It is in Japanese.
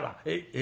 え？